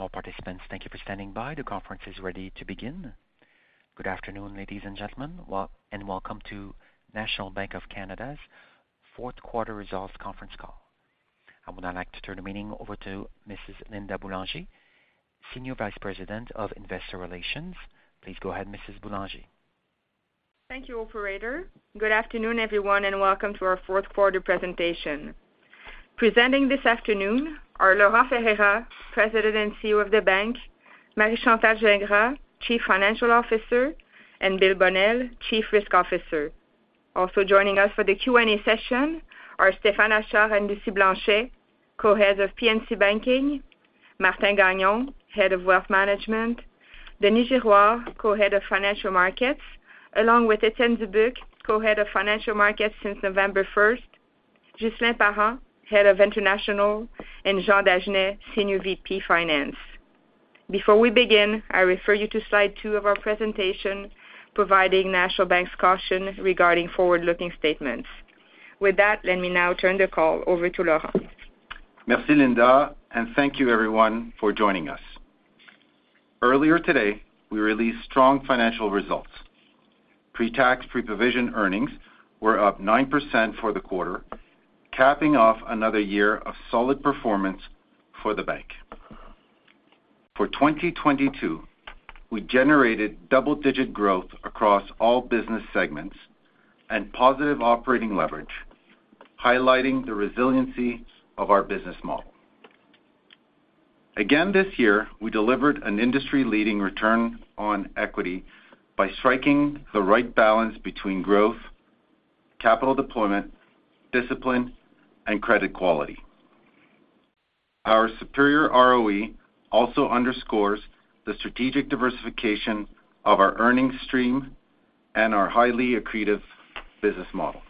All participants, thank you for standing by. The conference is ready to begin. Good afternoon, ladies and gentlemen, and welcome to National Bank of Canada's fourth quarter results conference call. I would now like to turn the meeting over to Mrs. Linda Boulanger, Senior Vice-President of Investor Relations. Please go ahead, Mrs. Boulanger. Thank you, operator. Good afternoon, everyone, and welcome to our fourth quarter presentation. Presenting this afternoon are Laurent Ferreira, President and CEO of the bank, Marie Chantal Gingras, Chief Financial Officer, and Bill Bonnell, Chief Risk Officer. Also joining us for the Q&A session are Stéphane Achard and Lucie Blanchet, Co-heads of P&C Banking, Martin Gagnon, Head of Wealth Management, Denis Girouard, Co-head of Financial Markets, along with Étienne Dubuc, Co-head of Financial Markets since November 1st, Ghislain Parent, Head of International, and Jean Dagenais, Senior VP, Finance. Before we begin, I refer you to slide two of our presentation, providing National Bank's caution regarding forward-looking statements. With that, let me now turn the call over Laurent. Merci, Linda. Thank you, everyone for joining us. Earlier today, we released strong financial results. Pre-tax, pre-provision earnings were up 9% for the quarter, capping off another year of solid performance for the bank. For 2022, we generated double-digit growth across all business segments and positive operating leverage, highlighting the resiliency of our business model. Again, this year, we delivered an industry-leading return on equity by striking the right balance between growth, capital deployment, discipline, and credit quality. Our superior ROE also underscores the strategic diversification of our earnings stream and our highly accretive business model.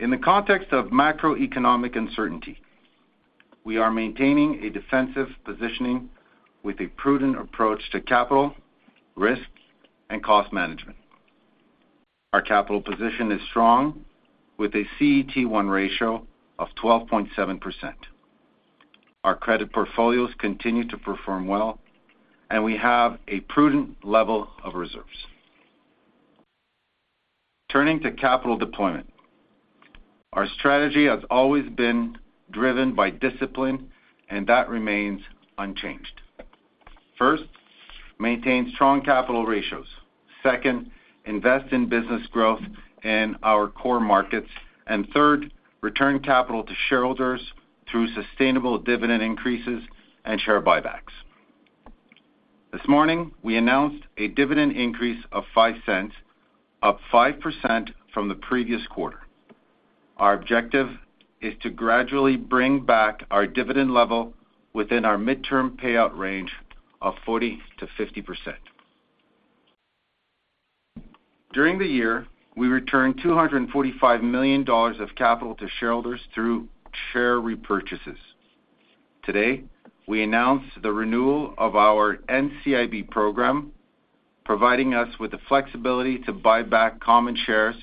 In the context of macroeconomic uncertainty, we are maintaining a defensive positioning with a prudent approach to capital, risk, and cost management. Our capital position is strong with a CET1 ratio of 12.7%. Our credit portfolios continue to perform well, and we have a prudent level of reserves. Turning to capital deployment. Our strategy has always been driven by discipline, and that remains unchanged. First, maintain strong capital ratios. Second, invest in business growth in our core markets. Third, return capital to shareholders through sustainable dividend increases and share buybacks. This morning, we announced a dividend increase of 0.05, up 5% from the previous quarter. Our objective is to gradually bring back our dividend level within our midterm payout range of 40%-50%. During the year, we returned 245 million dollars of capital to shareholders through share repurchases. Today, we announced the renewal of our NCIB program, providing us with the flexibility to buy back common shares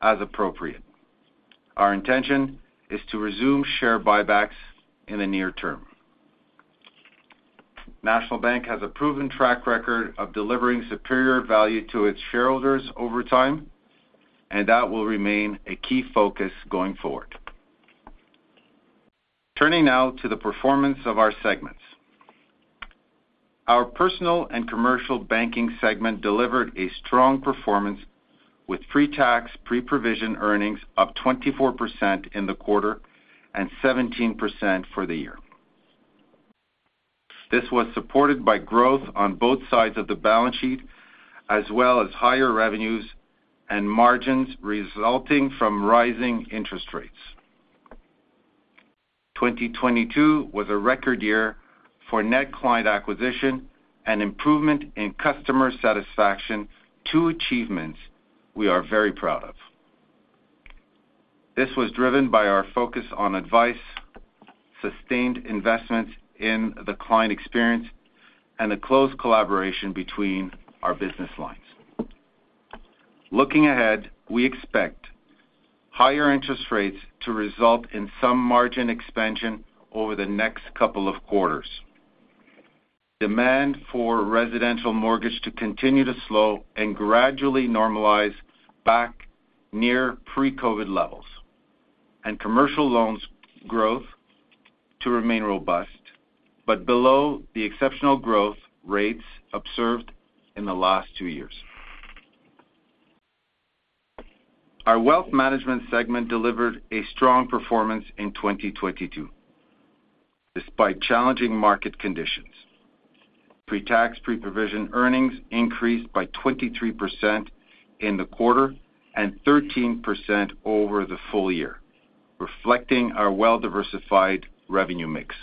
as appropriate. Our intention is to resume share buybacks in the near term. National Bank has a proven track record of delivering superior value to its shareholders over time, that will remain a key focus going forward. Turning now to the performance of our segments. Our personal and commercial banking segment delivered a strong performance with pre-tax, pre-provision earnings up 24% in the quarter and 17% for the year. This was supported by growth on both sides of the balance sheet, as well as higher revenues and margins resulting from rising interest rates. 2022 was a record year for net client acquisition and improvement in customer satisfaction, two achievements we are very proud of. This was driven by our focus on advice, sustained investments in the client experience, and a close collaboration between our business lines. Looking ahead, we expect higher interest rates to result in some margin expansion over the next couple of quarters. Demand for residential mortgage to continue to slow and gradually normalize back near pre-COVID levels, and commercial loans growth to remain robust, but below the exceptional growth rates observed in the last two years. Our wealth management segment delivered a strong performance in 2022, despite challenging market conditions. Pre-tax, pre-provision earnings increased by 23% in the quarter and 13% over the full year, reflecting our well-diversified revenue mix.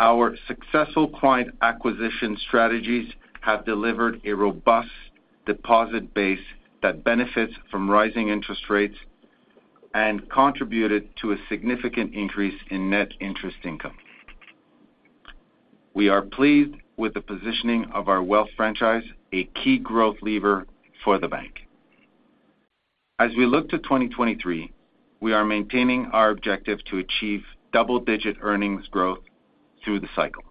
Our successful client acquisition strategies have delivered a robust deposit base that benefits from rising interest rates and contributed to a significant increase in net interest income. We are pleased with the positioning of our wealth franchise, a key growth lever for the bank. As we look to 2023, we are maintaining our objective to achieve double-digit earnings growth through the cycle.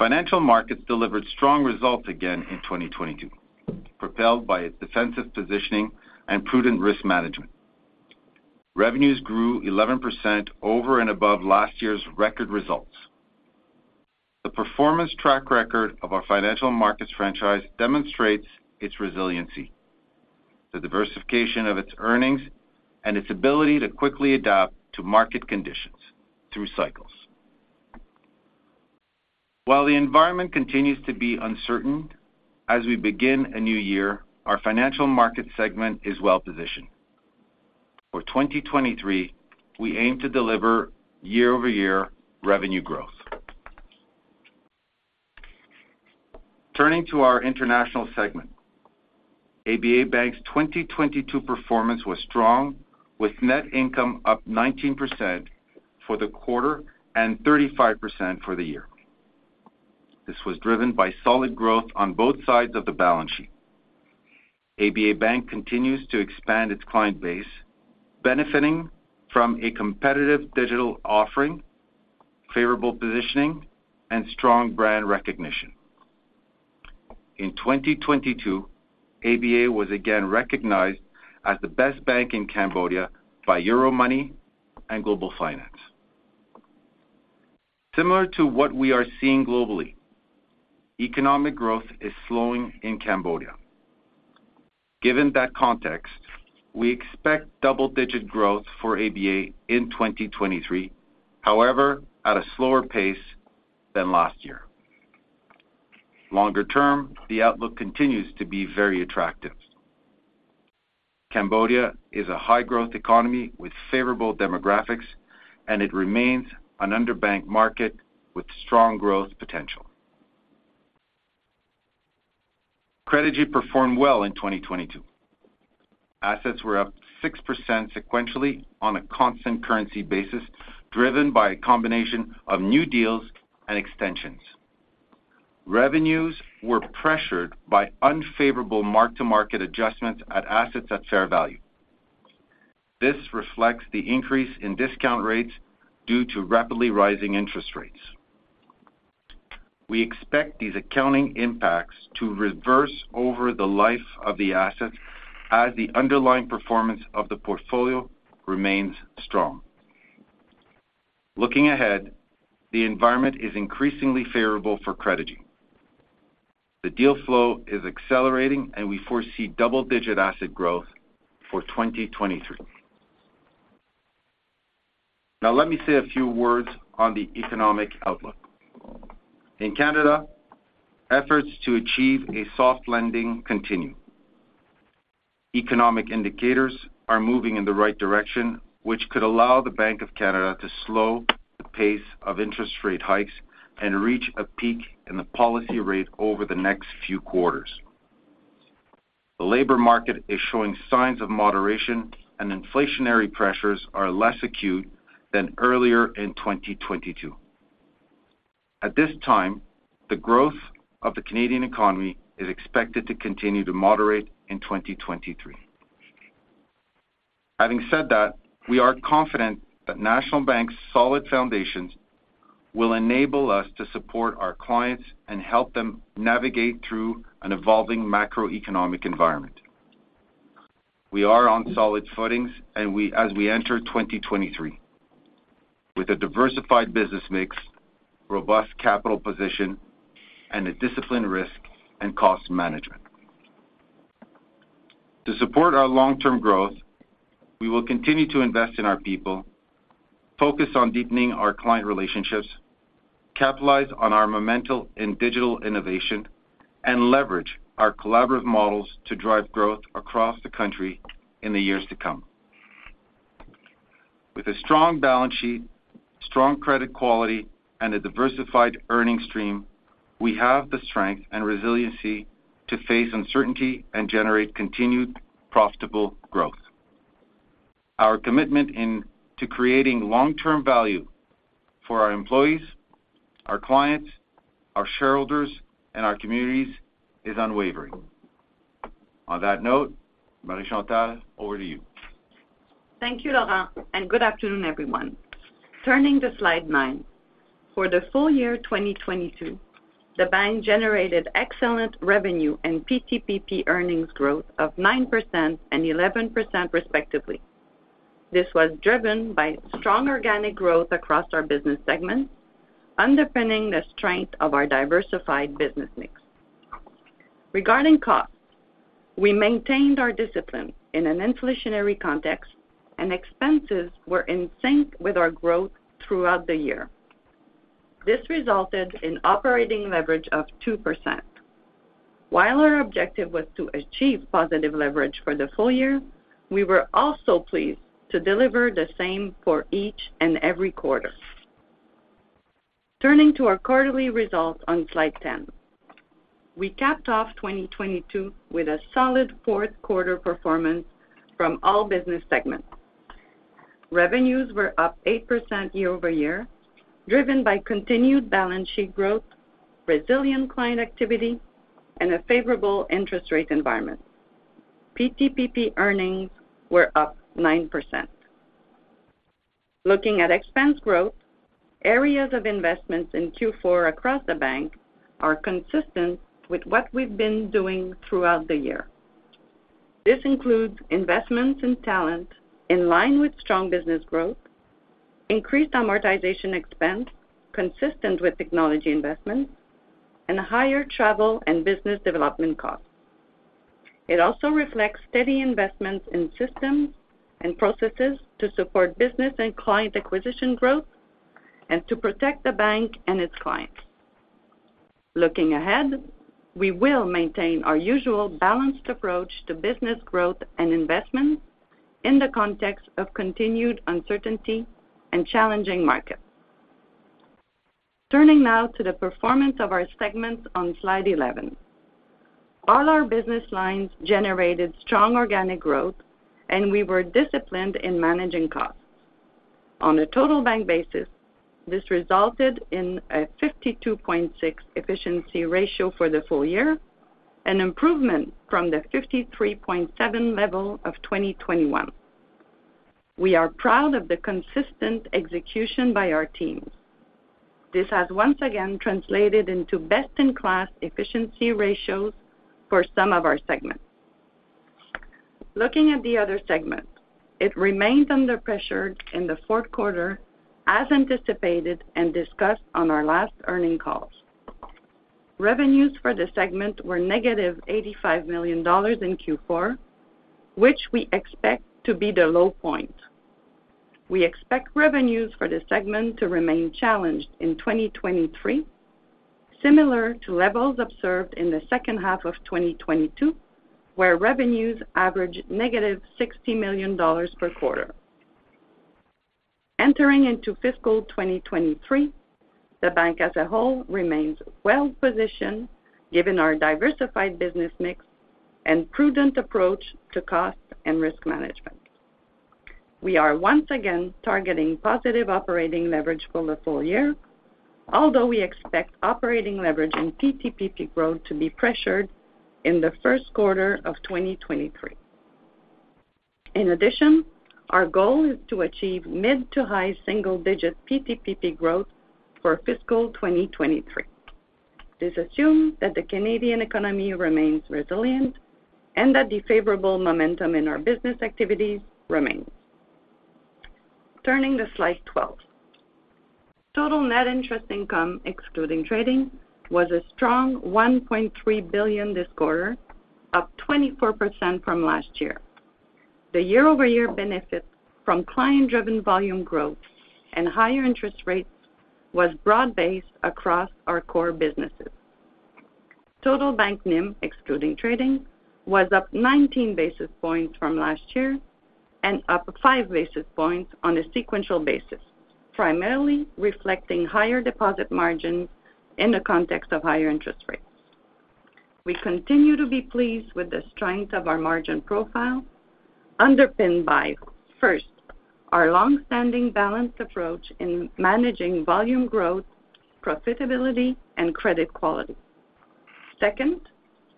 Financial markets delivered strong results again in 2022, propelled by its defensive positioning and prudent risk management. Revenues grew 11% over and above last year's record results. The performance track record of our Financial Markets franchise demonstrates its resiliency, the diversification of its earnings, and its ability to quickly adapt to market conditions through cycles. While the environment continues to be uncertain as we begin a new year, our Financial Market segment is well-positioned. For 2023, we aim to deliver year-over-year revenue growth. Turning to our international segment, ABA Bank's 2022 performance was strong, with net income up 19% for the quarter and 35% for the year. This was driven by solid growth on both sides of the balance sheet. ABA Bank continues to expand its client base, benefiting from a competitive digital offering, favorable positioning, and strong brand recognition. In 2022, ABA was again recognized as the best bank in Cambodia by Euromoney and Global Finance. Similar to what we are seeing globally, economic growth is slowing in Cambodia. Given that context, we expect double-digit growth for ABA in 2023, however, at a slower pace than last year. Longer term, the outlook continues to be very attractive. Cambodia is a high-growth economy with favorable demographics, and it remains an under-banked market with strong growth potential. Credigy performed well in 2022. Assets were up 6% sequentially on a constant currency basis, driven by a combination of new deals and extensions. Revenues were pressured by unfavorable mark-to-market adjustments at assets at fair value. This reflects the increase in discount rates due to rapidly rising interest rates. We expect these accounting impacts to reverse over the life of the asset as the underlying performance of the portfolio remains strong. Looking ahead, the environment is increasingly favorable for Credigy. The deal flow is accelerating, and we foresee double-digit asset growth for 2023. Let me say a few words on the economic outlook. In Canada, efforts to achieve a soft landing continue. Economic indicators are moving in the right direction, which could allow the Bank of Canada to slow the pace of interest rate hikes and reach a peak in the policy rate over the next few quarters. The labor market is showing signs of moderation, and inflationary pressures are less acute than earlier in 2022. At this time, the growth of the Canadian economy is expected to continue to moderate in 2023. Having said that, we are confident that National Bank's solid foundations will enable us to support our clients and help them navigate through an evolving macroeconomic environment. We are on solid footings, as we enter 2023 with a diversified business mix, robust capital position, and a disciplined risk and cost management. To support our long-term growth, we will continue to invest in our people, focus on deepening our client relationships, capitalize on our momentum in digital innovation, and leverage our collaborative models to drive growth across the country in the years to come. With a strong balance sheet, strong credit quality, and a diversified earnings stream, we have the strength and resiliency to face uncertainty and generate continued profitable growth. Our commitment in to creating long-term value for our employees, our clients, our shareholders, and our communities is unwavering. On that note, Marie Chantal, over to you. Thank you, Laurent, and good afternoon, everyone. Turning to slide nine. For the full year 2022, the bank generated excellent revenue and PTPP earnings growth of 9% and 11% respectively. This was driven by strong organic growth across our business segments, underpinning the strength of our diversified business mix. Regarding costs, we maintained our discipline in an inflationary context, and expenses were in sync with our growth throughout the year. This resulted in operating leverage of 2%. While our objective was to achieve positive leverage for the full year, we were also pleased to deliver the same for each and every quarter. Turning to our quarterly results on slide 10. We capped off 2022 with a solid fourth quarter performance from all business segments. Revenues were up 8% year-over-year, driven by continued balance sheet growth, resilient client activity, and a favorable interest rate environment. PTPP earnings were up 9%. Looking at expense growth, areas of investments in Q4 across the bank are consistent with what we've been doing throughout the year. This includes investments in talent in line with strong business growth, increased amortization expense consistent with technology investments, and higher travel and business development costs. It also reflects steady investments in systems and processes to support business and client acquisition growth and to protect the bank and its clients. Looking ahead, we will maintain our usual balanced approach to business growth and investment in the context of continued uncertainty and challenging markets. Turning now to the performance of our segments on slide 11. All our business lines generated strong organic growth, and we were disciplined in managing costs. On a total bank basis, this resulted in a 52.6 efficiency ratio for the full year, an improvement from the 53.7 level of 2021. We are proud of the consistent execution by our teams. This has once again translated into best-in-class efficiency ratios for some of our segments. Looking at the other segment, it remains under pressure in the fourth quarter, as anticipated and discussed on our last earning calls. Revenues for the segment were -85 million dollars in Q4, which we expect to be the low point. We expect revenues for the segment to remain challenged in 2023, similar to levels observed in the second half of 2022, where revenues averaged -60 million dollars per quarter. Entering into fiscal 2023, the bank as a whole remains well-positioned given our diversified business mix and prudent approach to cost and risk management. We are once again targeting positive operating leverage for the full year, although we expect operating leverage and PTPP growth to be pressured in the first quarter of 2023. Our goal is to achieve mid-to-high single-digit PTPP growth for fiscal 2023. This assumes that the Canadian economy remains resilient and that the favorable momentum in our business activities remains. Turning to slide 12. Total net interest income, excluding trading, was a strong 1.3 billion this quarter, up 24% from last year. The year-over-year benefit from client-driven volume growth and higher interest rates was broad-based across our core businesses. Total bank NIM, excluding trading, was up 19 basis points from last year and up 5 basis points on a sequential basis, primarily reflecting higher deposit margins in the context of higher interest rates. We continue to be pleased with the strength of our margin profile, underpinned by, first, our long-standing balanced approach in managing volume growth, profitability, and credit quality. Second,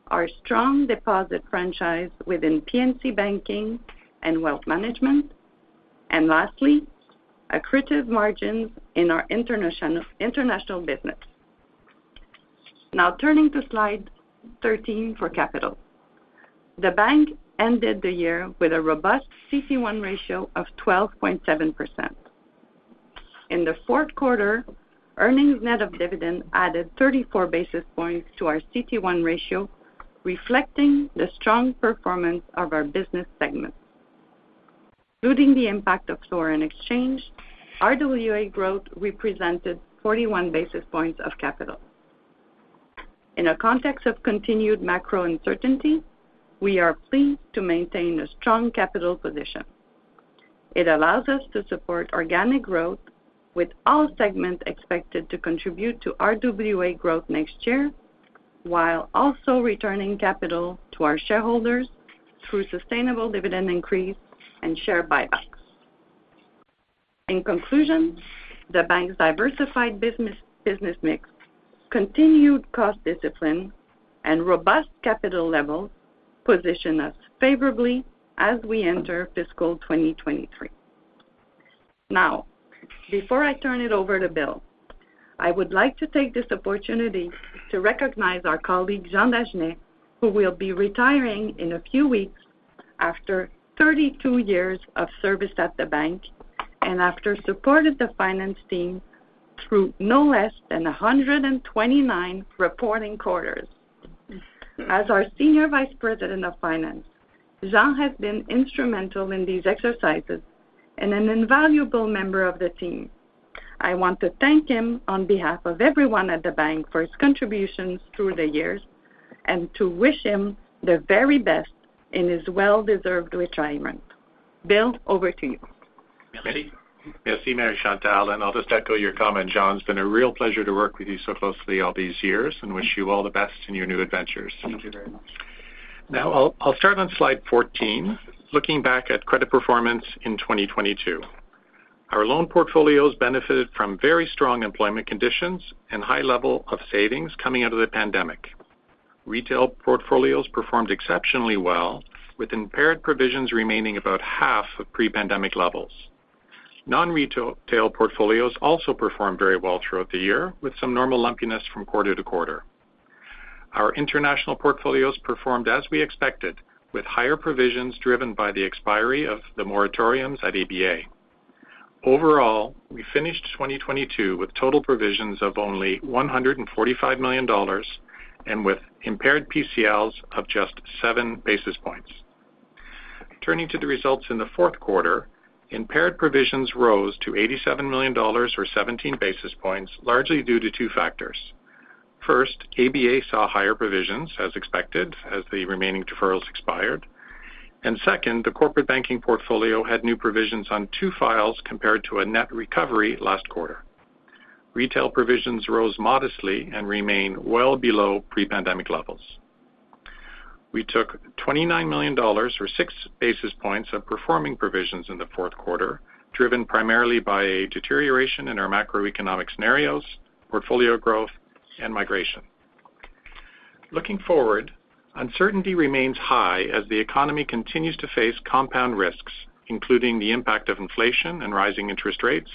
our strong deposit franchise within P&C Banking and wealth management. Lastly, accretive margins in our international business. Turning to slide 13 for capital. The bank ended the year with a robust CET1 ratio of 12.7%. In the fourth quarter, earnings net of dividend added 34 basis points to our CET1 ratio, reflecting the strong performance of our business segments. Including the impact of foreign exchange, RWA growth represented 41 basis points of capital. In a context of continued macro uncertainty, we are pleased to maintain a strong capital position. It allows us to support organic growth with all segments expected to contribute to RWA growth next year, while also returning capital to our shareholders through sustainable dividend increase and share buybacks. In conclusion, the bank's diversified business mix, continued cost discipline, and robust capital levels position us favorably as we enter fiscal 2023. Before I turn it over to Bill, I would like to take this opportunity to recognize our colleague, Jean Dagenais, who will be retiring in a few weeks after 32 years of service at the bank, and after support of the finance team through no less than 129 reporting quarters. As our Senior Vice President of Finance, Jean has been instrumental in these exercises and an invaluable member of the team. I want to thank him on behalf of everyone at the bank for his contributions through the years and to wish him the very best in his well-deserved retirement. Bill, over to you. Merci, Marie Chantal. I'll just echo your comment. Jean, it's been a real pleasure to work with you so closely all these years, and wish you all the best in your new adventures. Thank you very much. Now, I'll start on slide 14, looking back at credit performance in 2022. Our loan portfolios benefited from very strong employment conditions and high level of savings coming out of the pandemic. Retail portfolios performed exceptionally well, with impaired provisions remaining about half of pre-pandemic levels. Non-retail portfolios also performed very well throughout the year, with some normal lumpiness from quarter to quarter. Our international portfolios performed as we expected, with higher provisions driven by the expiry of the moratoriums at ABA. Overall, we finished 2022 with total provisions of only 145 million dollars and with impaired PCLs of just 7 basis points. Turning to the results in the fourth quarter, impaired provisions rose to 87 million dollars or 17 basis points, largely due to two factors. First, ABA saw higher provisions as expected as the remaining deferrals expired. Second, the corporate banking portfolio had new provisions on two files compared to a net recovery last quarter. Retail provisions rose modestly and remain well below pre-pandemic levels. We took 29 million dollars or 6 basis points of performing provisions in the fourth quarter, driven primarily by a deterioration in our macroeconomic scenarios, portfolio growth, and migration. Looking forward, uncertainty remains high as the economy continues to face compound risks, including the impact of inflation and rising interest rates,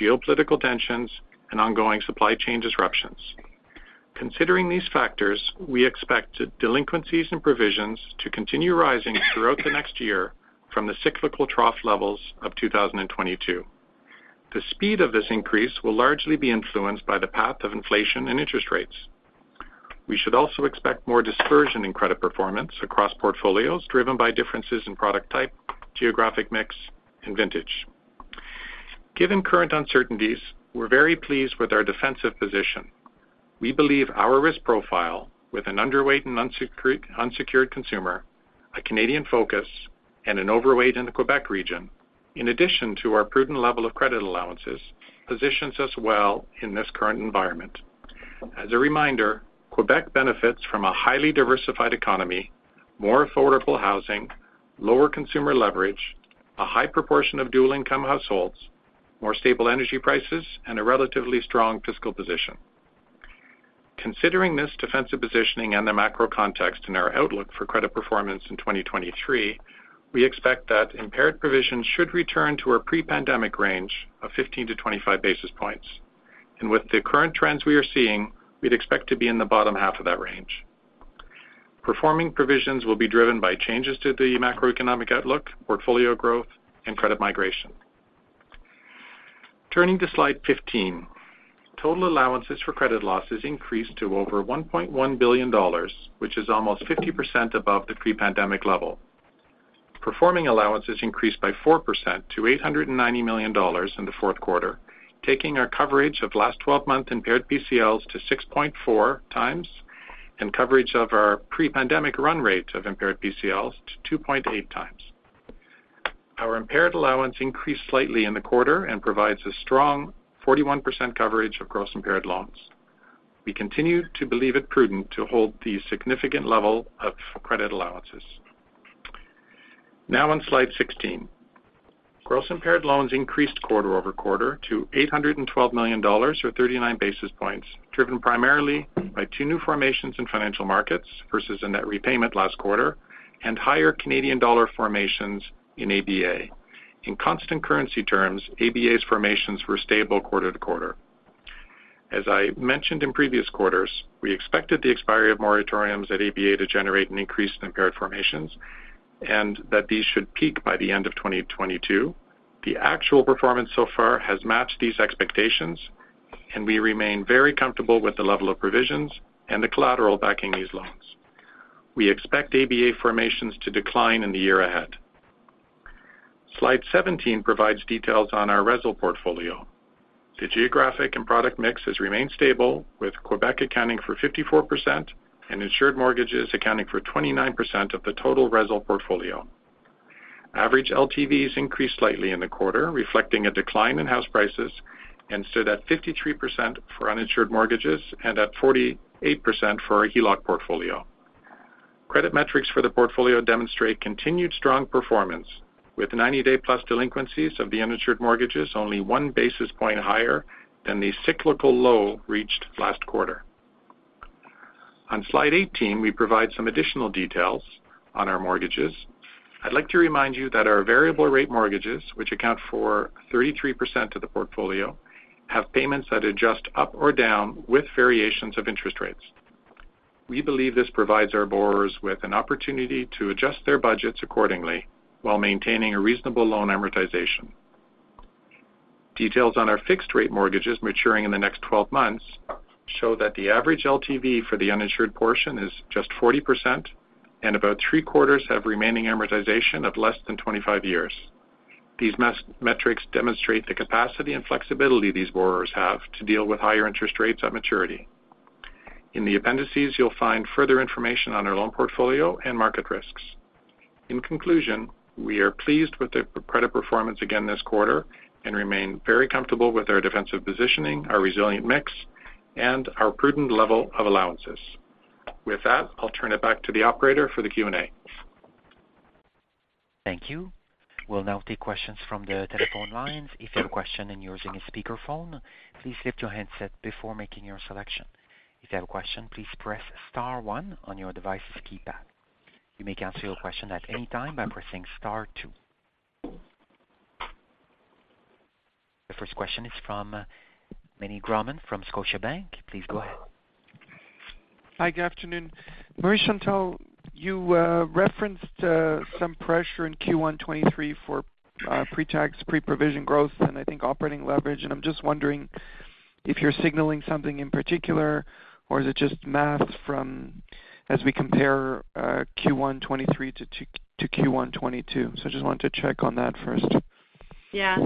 geopolitical tensions, and ongoing supply chain disruptions. Considering these factors, we expect delinquencies and provisions to continue rising throughout the next year from the cyclical trough levels of 2022. The speed of this increase will largely be influenced by the path of inflation and interest rates. We should also expect more dispersion in credit performance across portfolios driven by differences in product type, geographic mix, and vintage. Given current uncertainties, we're very pleased with our defensive position. We believe our risk profile with an underweight and unsecured consumer, a Canadian focus, and an overweight in the Quebec region, in addition to our prudent level of credit allowances, positions us well in this current environment. As a reminder, Quebec benefits from a highly diversified economy, more affordable housing, lower consumer leverage, a high proportion of dual income households, more stable energy prices, and a relatively strong fiscal position. Considering this defensive positioning and the macro context in our outlook for credit performance in 2023, we expect that impaired provisions should return to our pre-pandemic range of 15-25 basis points. With the current trends we are seeing, we'd expect to be in the bottom half of that range. Performing provisions will be driven by changes to the macroeconomic outlook, portfolio growth, and credit migration. Turning to slide 15. Total allowances for credit losses increased to over 1.1 billion dollars, which is almost 50% above the pre-pandemic level. Performing allowances increased by 4% to 890 million dollars in the fourth quarter, taking our coverage of last 12-month impaired PCLs to 6.4x, and coverage of our pre-pandemic run rate of impaired PCLs to 2.8x. Our impaired allowance increased slightly in the quarter and provides a strong 41% coverage of gross impaired loans. On slide 16. Gross impaired loans increased quarter-over-quarter to 812 million dollars or 39 basis points, driven primarily by two new formations in Financial Markets versus a net repayment last quarter and higher Canadian dollar formations in ABA. In constant currency terms, ABA's formations were stable quarter-to-quarter. As I mentioned in previous quarters, we expected the expiry of moratoriums at ABA to generate an increase in impaired formations, and that these should peak by the end of 2022. The actual performance so far has matched these expectations, and we remain very comfortable with the level of provisions and the collateral backing these loans. We expect ABA formations to decline in the year ahead. Slide 17 provides details on our RESL portfolio. The geographic and product mix has remained stable, with Quebec accounting for 54% and insured mortgages accounting for 29% of the total RESL portfolio. Average LTVs increased slightly in the quarter, reflecting a decline in house prices and stood at 53% for uninsured mortgages and at 48% for our HELOC portfolio. Credit metrics for the portfolio demonstrate continued strong performance with 90-day-plus delinquencies of the uninsured mortgages only 1 basis point higher than the cyclical low reached last quarter. On slide 18, we provide some additional details on our mortgages. I'd like to remind you that our variable rate mortgages, which account for 33% of the portfolio, have payments that adjust up or down with variations of interest rates. We believe this provides our borrowers with an opportunity to adjust their budgets accordingly while maintaining a reasonable loan amortization. Details on our fixed rate mortgages maturing in the next 12 months show that the average LTV for the uninsured portion is just 40%, and about three-quarters have remaining amortization of less than 25 years. These metrics demonstrate the capacity and flexibility these borrowers have to deal with higher interest rates at maturity. In the appendices, you'll find further information on our loan portfolio and market risks. In conclusion, we are pleased with the credit performance again this quarter, and remain very comfortable with our defensive positioning, our resilient mix, and our prudent level of allowances. With that, I'll turn it back to the operator for the Q&A. Thank you. We'll now take questions from the telephone lines. If you have a question and you're using a speakerphone, please lift your handset before making your selection. If you have a question, please press star one on your device's keypad. You may cancel your question at any time by pressing star two. The first question is from Meny Grauman from Scotiabank. Please go ahead. Hi, good afternoon. Marie Chantal, you referenced some pressure in Q1 2023 for pre-tax, pre-provision growth and I think operating leverage. I'm just wondering if you're signaling something in particular, or is it just math from as we compare Q1 2023 to Q1 2022? Just wanted to check on that first. Yeah.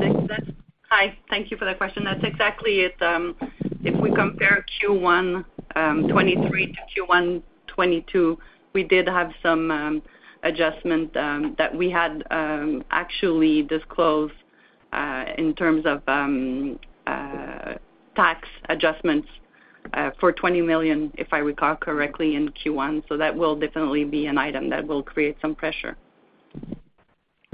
Hi. Thank you for that question. That's exactly it. If we compare Q1 2023 to Q1 2022, we did have some adjustment that we had actually disclosed in terms of tax adjustments for 20 million, if I recall correctly, in Q1. That will definitely be an item that will create some pressure.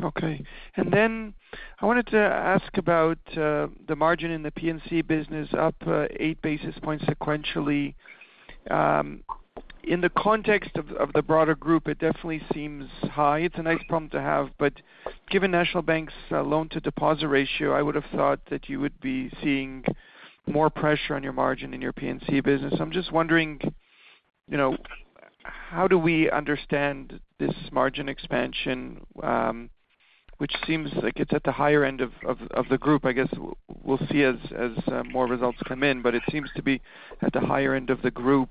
I wanted to ask about the margin in the P&C business up 8 basis points sequentially. In the context of the broader group, it definitely seems high. It's a nice problem to have, but given National Bank's loan-to-deposit ratio, I would've thought that you would be seeing more pressure on your margin in your P&C business. I'm just wondering, you know, how do we understand this margin expansion, which seems like it's at the higher end of the group. I guess we'll see as more results come in, but it seems to be at the higher end of the group.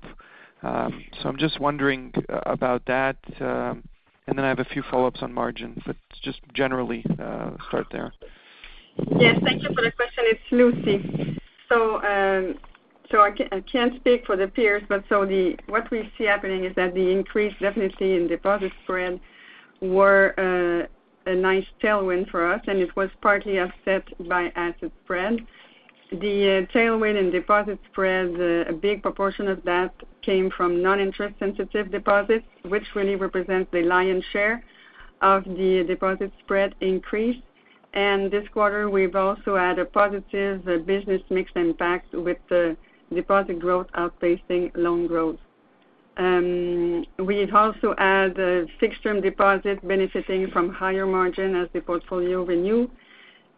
I'm just wondering about that, and then I have a few follow-ups on margins, but just generally, start there. Yes. Thank you for the question. It's Lucie. I can't speak for the peers, but what we see happening is that the increase definitely in deposit spread were a nice tailwind for us, and it was partly offset by asset spread. The tailwind in deposit spread, a big proportion of that came from non-interest-sensitive deposits, which really represents the lion's share of the deposit spread increase. This quarter, we've also had a positive business mix impact with the deposit growth outpacing loan growth. We've also had fixed-term deposit benefiting from higher margin as the portfolio renew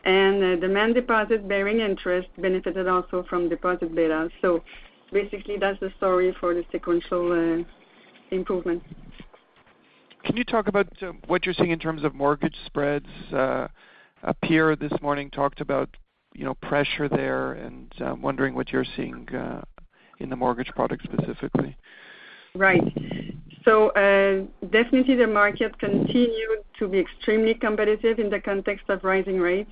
and demand deposit bearing interest benefited also from deposit beta. Basically, that's the story for the sequential improvement. Can you talk about what you're seeing in terms of mortgage spreads? A peer this morning talked about, you know, pressure there and wondering what you're seeing in the mortgage product specifically. Right. Definitely the market continued to be extremely competitive in the context of rising rates.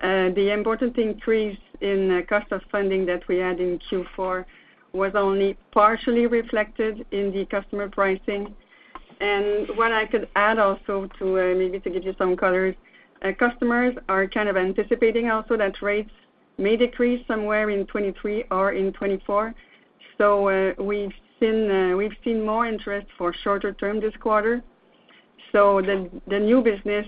The important increase in cost of funding that we had in Q4 was only partially reflected in the customer pricing. What I could add also to, maybe to give you some color, customers are kind of anticipating also that rates may decrease somewhere in 2023 or in 2024. We've seen more interest for shorter term this quarter. The new business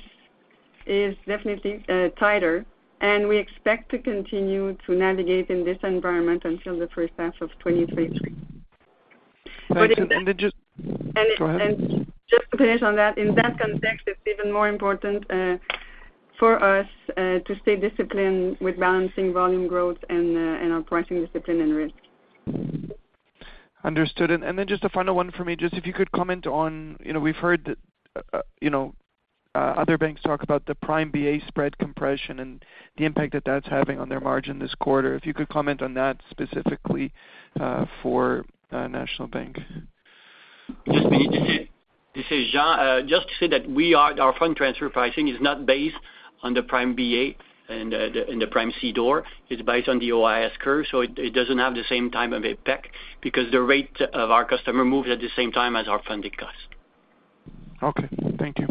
is definitely tighter, and we expect to continue to navigate in this environment until the first half of 2023. Thank you. And, and- Go ahead. Just to finish on that, in that context, it's even more important for us to stay disciplined with balancing volume growth and our pricing discipline and risk. Understood. Then just a final one for me, just if you could comment on, you know, we've heard that, you know, other banks talk about the prime BA spread compression and the impact that that's having on their margin this quarter. If you could comment on that specifically for National Bank. Yes. This is Jean. Just to say that our fund transfer pricing is not based on the prime BA and the prime CDOR. It's based on the OIS curve, so it doesn't have the same time of impact because the rate of our customer moves at the same time as our funding cost. Okay. Thank you.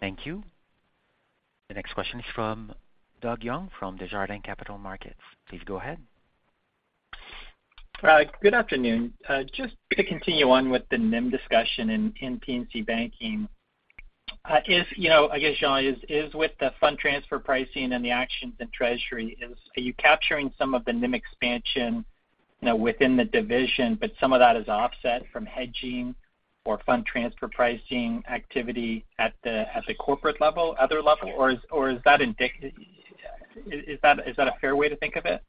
Thank you. The next question is from Doug Young from Desjardins Capital Markets. Please go ahead. Good afternoon. Just to continue on with the NIM discussion in P&C Banking, if, you know, I guess, Jean, is with the fund transfer pricing and the actions in treasury, are you capturing some of the NIM expansion, you know, within the division, but some of that is offset from hedging or fund transfer pricing activity at the corporate level, other level? Or is that a fair way to think of it?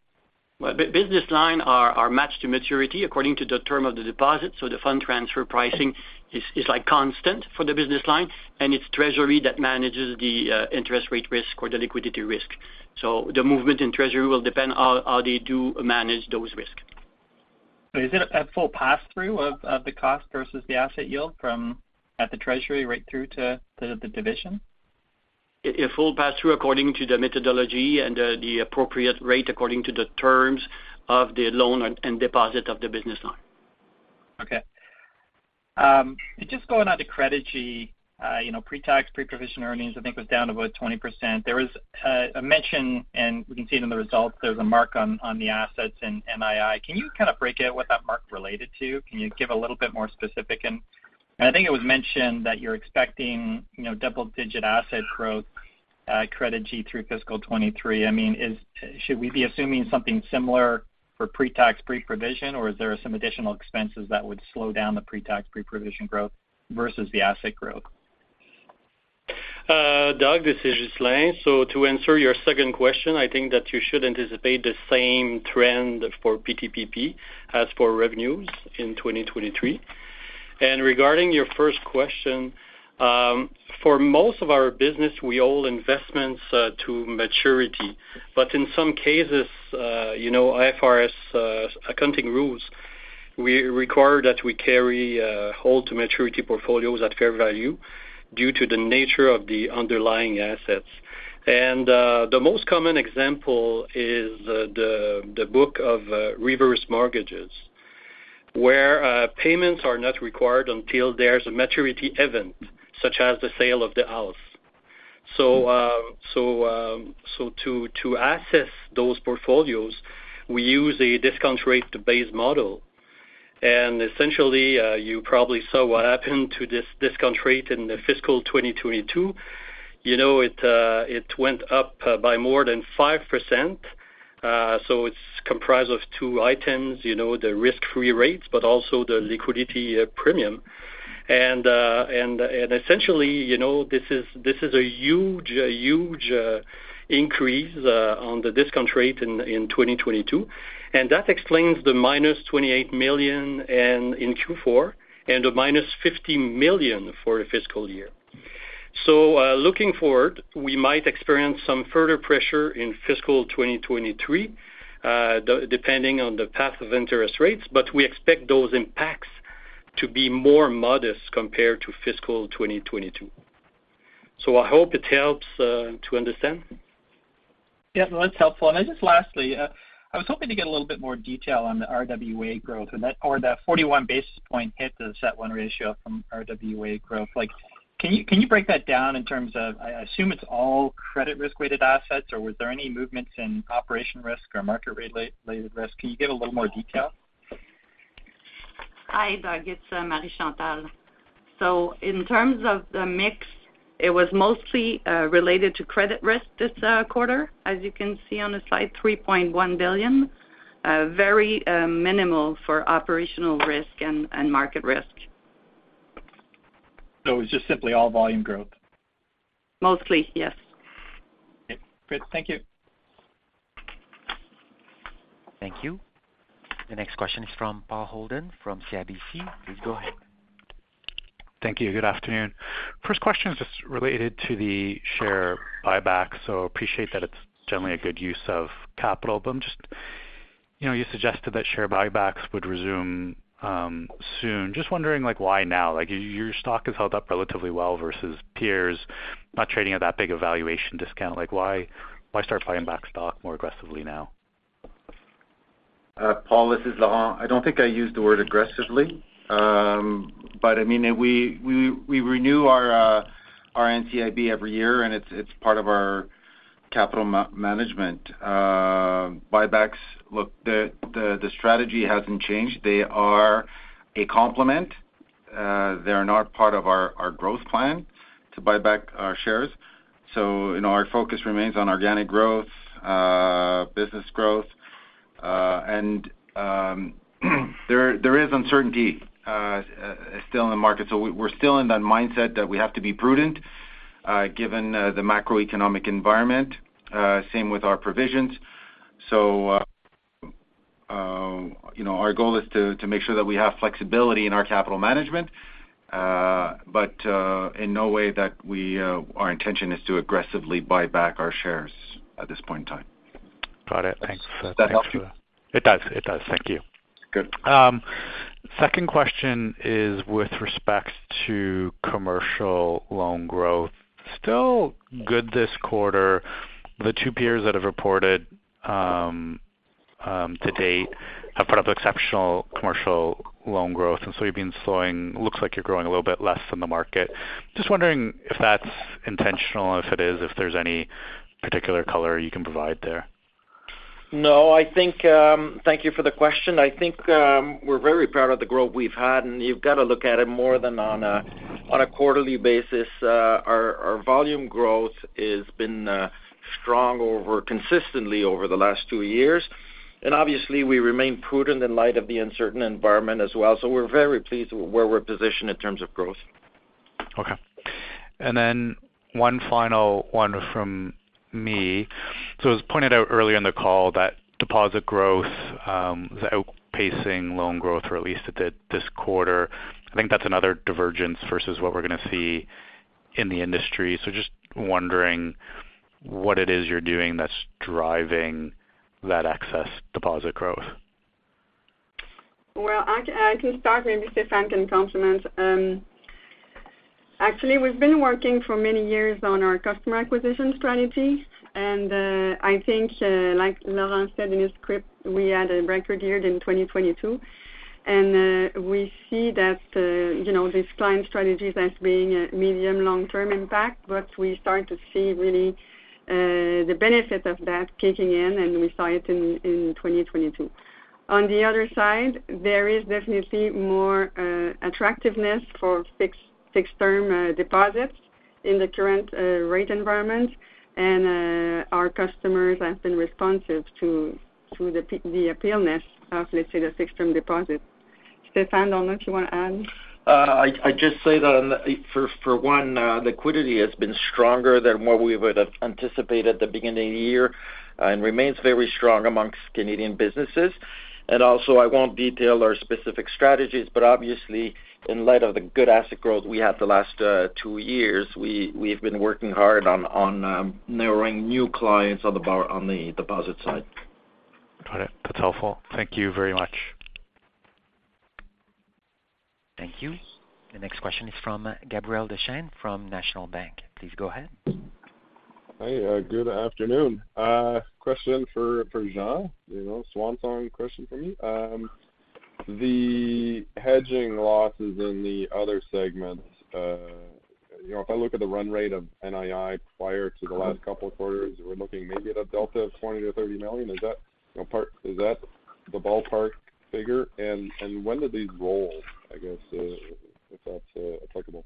Business line are matched to maturity according to the term of the deposit. The fund transfer pricing is like constant for the business line, and it's treasury that manages the interest rate risk or the liquidity risk. The movement in treasury will depend how they do manage those risk. Is it a full pass-through of the cost versus the asset yield from at the treasury right through to the division? A full pass-through according to the methodology and the appropriate rate according to the terms of the loan and deposit of the business line. Okay. just going on to Credigy, you know, pre-tax, pre-provision earnings, I think was down about 20%. There was a mention, we can see it in the results, there was a mark on the assets in MII. Can you kind of break out what that mark related to? Can you give a little bit more specific? I think it was mentioned that you're expecting, you know, double-digit asset growth at Credigy through fiscal 23. I mean, should we be assuming something similar for pre-tax, pre-provision, or is there some additional expenses that would slow down the pre-tax, pre-provision growth versus the asset growth? Doug, this is Ghislain. To answer your second question, I think that you should anticipate the same trend for PTPP as for revenues in 2023. Regarding your first question, for most of our business, we hold investments to maturity. In some cases, you know, IFRS accounting rules require that we carry hold-to-maturity portfolios at fair value due to the nature of the underlying assets. The most common example is the book of reverse mortgages, where payments are not required until there's a maturity event, such as the sale of the house. To access those portfolios, we use a discount-rate-based model. Essentially, you probably saw what happened to this discount rate in the fiscal 2022. You know, it went up by more than 5%. It's comprised of two items, you know, the risk-free rates, but also the liquidity premium. Essentially, you know, this is a huge increase on the discount rate in 2022, and that explains the -28 million in Q4 and a -50 million for the fiscal year. Looking forward, we might experience some further pressure in fiscal 2023, depending on the path of interest rates, but we expect those impacts to be more modest compared to fiscal 2022. I hope it helps to understand. Yeah, no, that's helpful. Just lastly, I was hoping to get a little bit more detail on the RWA growth or the 41 basis point hit the CET1 ratio from RWA growth. Like, can you break that down in terms of, I assume it's all credit risk-weighted assets, or was there any movements in operation risk or market-related risk? Can you give a little more detail? Hi, Doug. It's Marie Chantal. In terms of the mix, it was mostly related to credit risk this quarter. As you can see on the slide, 3.1 billion. Very minimal for operational risk and market risk. It's just simply all volume growth. Mostly, yes. Okay. Great. Thank you. Thank you. The next question is from Paul Holden from CIBC. Please go ahead. Thank you. Good afternoon. First question is just related to the share buyback, appreciate that it's generally a good use of capital. I'm just, you know, you suggested that share buybacks would resume soon. Just wondering, like, why now? Like, your stock has held up relatively well versus peers, not trading at that big a valuation discount. Like, why start buying back stock more aggressively now? Paul, this is Laurent. I don't think I used the word aggressively. I mean, we renew our NCIB every year, and it's part of our capital management. Buybacks, look, the strategy hasn't changed. They are a complement. They're not part of our growth plan to buy back our shares. You know, our focus remains on organic growth, business growth. There is uncertainty still in the market. We're still in that mindset that we have to be prudent given the macroeconomic environment, same with our provisions. You know, our goal is to make sure that we have flexibility in our capital management. In no way that we our intention is to aggressively buy back our shares at this point in time. Got it. Thanks. Does that help you? It does. It does. Thank you. Good. Second question is with respect to commercial loan growth. Still good this quarter. The two peers that have reported to date have put up exceptional commercial loan growth, and so you've been slowing. Looks like you're growing a little bit less than the market. Just wondering if that's intentional, if it is, if there's any particular color you can provide there? No, I think, thank you for the question. I think, we're very proud of the growth we've had, and you've got to look at it more than on a quarterly basis. Our volume growth has been strong over consistently over the last two years. Obviously, we remain prudent in light of the uncertain environment as well. We're very pleased with where we're positioned in terms of growth. Okay. One final one from me. It was pointed out earlier in the call that deposit growth is outpacing loan growth, or at least it did this quarter. I think that's another divergence versus what we're gonna see. In the industry. Just wondering what it is you're doing that's driving that excess deposit growth? Well, I can start, maybe Stéphane can complement. actually, we've been working for many years on our customer acquisition strategy. I think, like Laurent said in his script, we had a record year in 2022. We see that, you know, this client strategy as being a medium, long-term impact. We start to see really the benefit of that kicking in, and we saw it in 2022. On the other side, there is definitely more attractiveness for fixed-term deposits in the current rate environment. Our customers have been responsive to the appeal-ness of, let's say, the fixed-term deposit. Stéphane, I don't know if you wanna add. I just say that for one, liquidity has been stronger than what we would have anticipated at the beginning of the year, and remains very strong amongst Canadian businesses. Also, I won't detail our specific strategies, but obviously, in light of the good asset growth we had the last two years, we've been working hard on narrowing new clients on the deposit side. Got it. That's helpful. Thank you very much. Thank you. The next question is from Gabriel Dechaine from National Bank Financial. Please go ahead. Hi, good afternoon. Question for Jean. You know, swan song question for me. The hedging losses in the other segments, you know, if I look at the run rate of NII prior to the last couple of quarters, we're looking maybe at a delta of 20 million-30 million. Is that, you know, is that the ballpark figure? When do these roll, I guess, if that's applicable?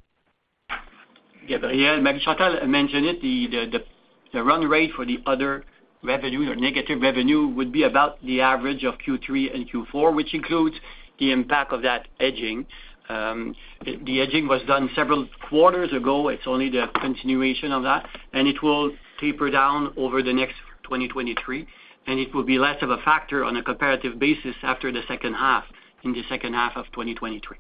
Gabriel, maybe Chantal mentioned it. The run rate for the other revenue or negative revenue would be about the average of Q3 and Q4, which includes the impact of that hedging. The hedging was done several quarters ago. It's only the continuation of that, and it will taper down over the next 2023, and it will be less of a factor on a comparative basis after the second half, in the second half of 2023.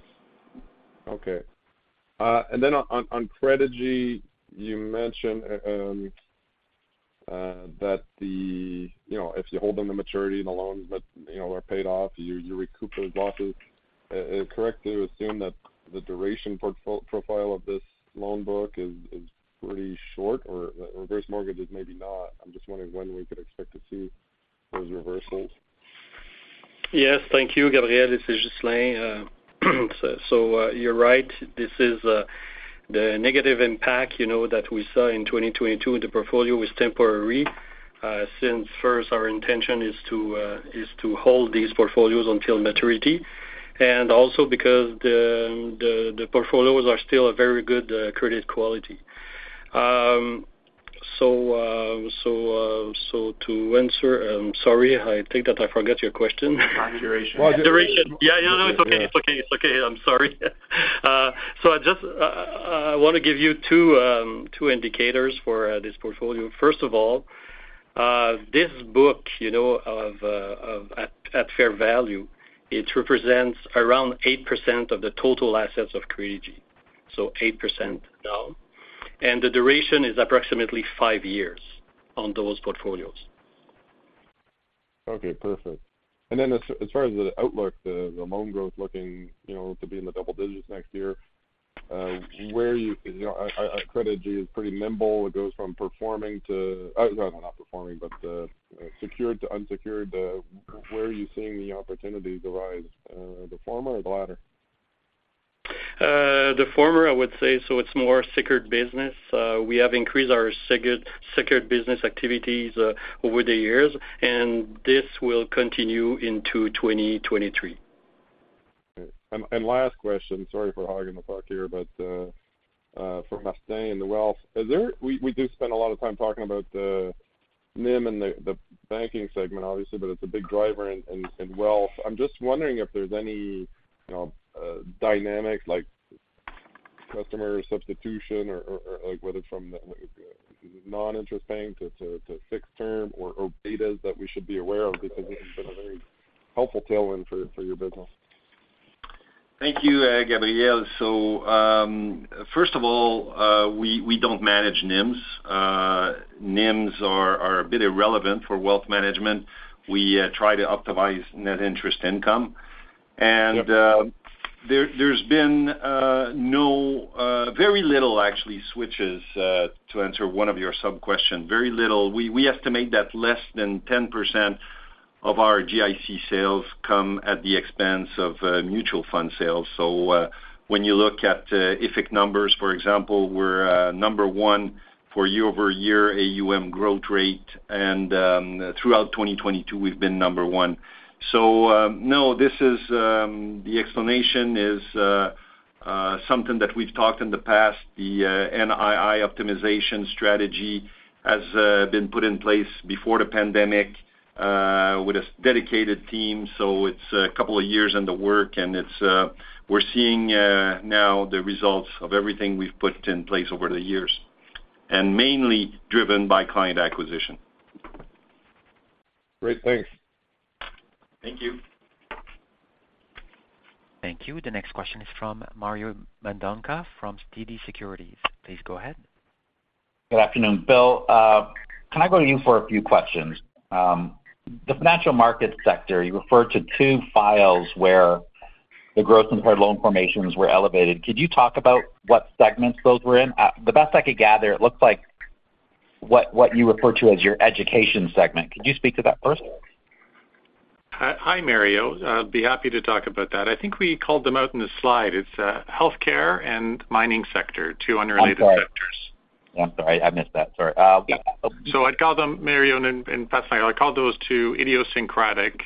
Then on Credigy, you mentioned that, you know, if you hold on the maturity and the loans that, you know, are paid off, you recoup those losses. Is it correct to assume that the duration profile of this loan book is pretty short or reverse mortgages maybe not? I'm just wondering when we could expect to see those reversals. Yes. Thank you, Gabriel. This is Ghislain. You're right. This is the negative impact, you know, that we saw in 2022. The portfolio is temporary, since first our intention is to hold these portfolios until maturity, and also because the portfolios are still a very good credit quality. To answer, sorry, I think that I forgot your question. Duration. Duration. Yeah. No, it's okay. I'm sorry. I just wanna give you two indicators for this portfolio. First of all, this book, you know, at fair value, it represents around 8% of the total assets of Credigy, 8% now. The duration is approximately five years on those portfolios. Okay, perfect. As far as the outlook, the loan growth looking, you know, to be in the double digits next year, you know, I, Credigy is pretty nimble. It goes from performing to, or not performing, but, secured to unsecured. Where are you seeing the opportunities arise, the former or the latter? The former, I would say, so it's more secured business. We have increased our secured business activities over the years, and this will continue into 2023. Last question. Sorry for hogging the clock here. For Martin in wealth, we do spend a lot of time talking about the NIM and the banking segment, obviously, but it's a big driver in wealth. I'm just wondering if there's any, you know, dynamics like customer substitution or like, whether from the non-interest paying to fixed term or betas that we should be aware of, because this has been a very helpful tailwind for your business. Thank you, Gabriel. First of all, we don't manage NIMs. NIMs are a bit irrelevant for wealth management. We try to optimize Net Interest Income. Yep. There's been no very little actually switches to answer one of your sub-questions. Very little. We estimate that less than 10% of our GIC sales come at the expense of mutual fund sales. When you look at IFIC numbers, for example, we're number one for year-over-year AUM growth rate. Throughout 2022, we've been number one. No, this is the explanation is something that we've talked in the past. The NII optimization strategy has been put in place before the pandemic with a dedicated team. It's a couple of years in the work, and it's we're seeing now the results of everything we've put in place over the years, and mainly driven by client acquisition. Great. Thanks. Thank you. Thank you. The next question is from Mario Mendonca from TD Securities. Please go ahead. Good afternoon. Bill, can I go to you for a few questions? The Financial Market sector, you referred to two files where the gross impaired loan formations were elevated. Could you talk about what segments those were in? The best I could gather, it looks like what you refer to as your education segment. Could you speak to that first? Hi, Mario. I'd be happy to talk about that. I think we called them out in the slide. It's healthcare and mining sector, two unrelated sectors. I'm sorry. Yeah, I'm sorry. I missed that. Sorry. Yeah. I'd call them, Mario, and fascinate, I call those two idiosyncratic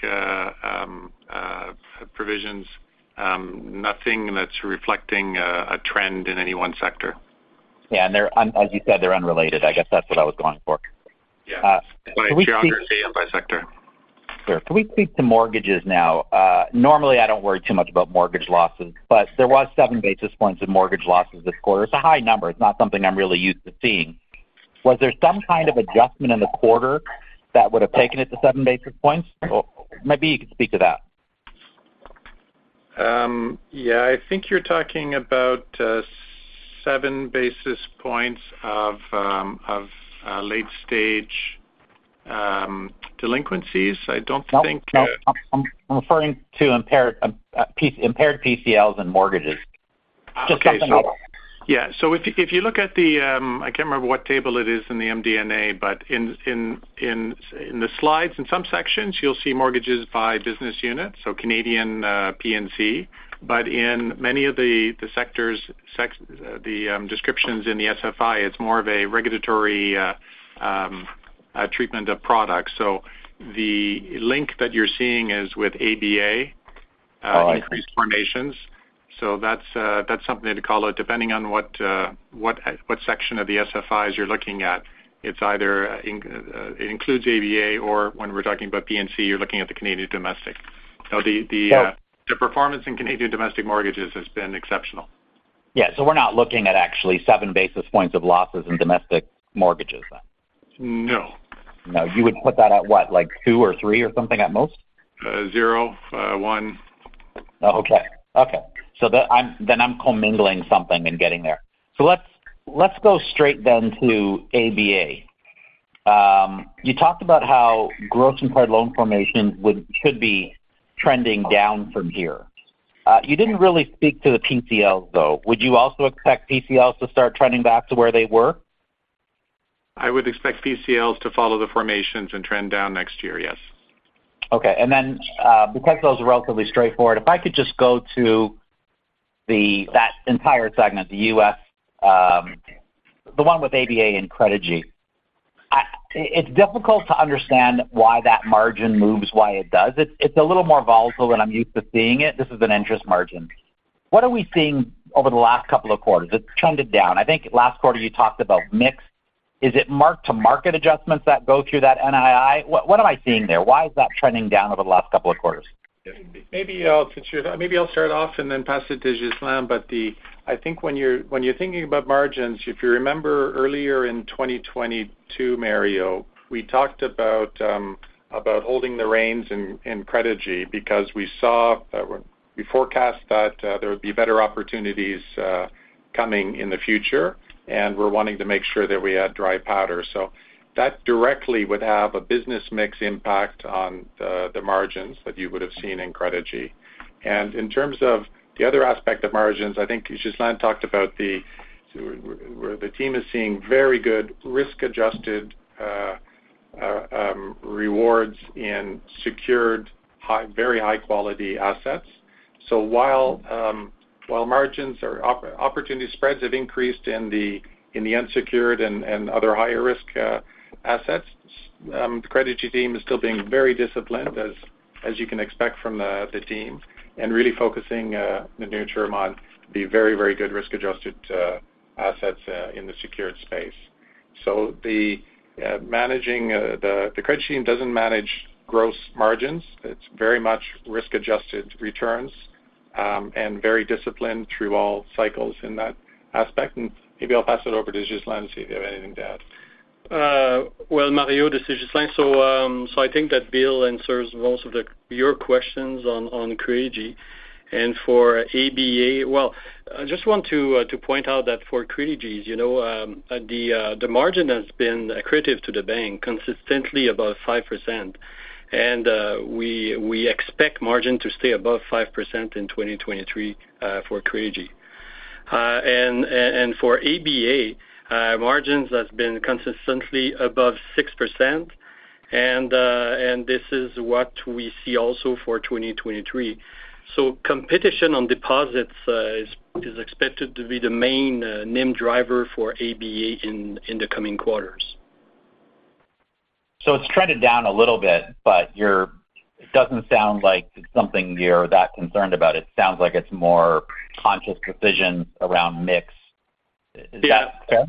provisions, nothing that's reflecting a trend in any one sector. Yeah. They're as you said, they're unrelated. I guess that's what I was going for. Yeah. By geography and by sector. Sure. Can we speak to mortgages now? Normally, I don't worry too much about mortgage losses. There was 7 basis points of mortgage losses this quarter. It's a high number. It's not something I'm really used to seeing. Was there some kind of adjustment in the quarter that would have taken it to 7 basis points? Maybe you could speak to that. Yeah. I think you're talking about 7 basis points of late stage delinquencies. I don't think. No, no. I'm referring to impaired PCLs and mortgages. Just something that- If you look at the, I can't remember what table it is in the MD&A, but in the slides, in some sections, you'll see mortgages by business unit, so Canadian, P&C. In many of the sectors, the descriptions in the SFI, it's more of a regulatory treatment of products. The link that you're seeing is with ABA- Oh, I see.... increased formations. That's something to call it depending on what section of the SFIs you're looking at. It's either it includes ABA or when we're talking about P&C, you're looking at the Canadian domestic. The. So- The performance in Canadian domestic mortgages has been exceptional. We're not looking at actually 7 basis points of losses in domestic mortgages. No. No. You would put that at what, like 2 or 3 or something at most? 0, 1. Okay. Okay. Then I'm commingling something in getting there. Let's go straight then to ABA. You talked about how gross impaired loan formation should be trending down from here. You didn't really speak to the PCL, though. Would you also expect PCLs to start trending back to where they were? I would expect PCLs to follow the formations and trend down next year, yes. Okay. Because those are relatively straightforward, if I could just go to that entire segment, the U.S., the one with ABA and Credigy. It's difficult to understand why that margin moves why it does. It's, it's a little more volatile than I'm used to seeing it. This is an interest margin. What are we seeing over the last couple of quarters? It's trended down. I think last quarter you talked about mix. Is it mark-to-market adjustments that go through that NII? What am I seeing there? Why is that trending down over the last couple of quarters? Maybe I'll, since maybe I'll start off and then pass it to Ghislain. I think when you're, when you're thinking about margins, if you remember earlier in 2022, Mario, we talked about holding the reins in Credigy because we saw we forecast that there would be better opportunities coming in the future, and we're wanting to make sure that we had dry powder. That directly would have a business mix impact on the margins that you would have seen in Credigy. In terms of the other aspect of margins, I think Ghislain talked about so where the team is seeing very good risk-adjusted rewards in secured high, very high-quality assets. While margins or opportunity spreads have increased in the, in the unsecured and other higher risk assets, the Credigy team is still being very disciplined as you can expect from the team, and really focusing the near term on the very, very good risk-adjusted assets in the secured space. The managing the Credigy team doesn't manage gross margins. It's very much risk-adjusted returns, and very disciplined through all cycles in that aspect. Maybe I'll pass it over to Ghislain, see if you have anything to add. Well, Mario, this is Ghislain. I think that Bill answers most of your questions on Credigy. For ABA Bank, well, I just want to point out that for Credigy, you know, the margin has been accretive to the bank consistently above 5%. We expect margin to stay above 5% in 2023 for Credigy. For ABA Bank, margins has been consistently above 6%, and this is what we see also for 2023. Competition on deposits is expected to be the main NIM driver for ABA Bank in the coming quarters. It's trended down a little bit, but it doesn't sound like it's something you're that concerned about. It sounds like it's more conscious precision around mix. Is that fair?